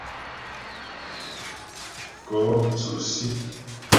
Kɔ́ mtsʉ́' Sí.